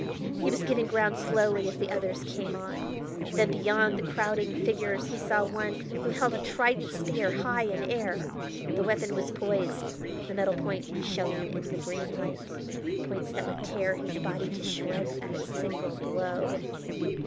He was giving ground slowly as the others came on. Then beyond the crowding figures he saw one who held a trident spear high in air. The weapon was poised; the metal points shone in the green light points that would tear his body to shreds at a single blow.